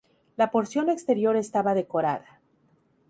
La porción exterior estaba decorada.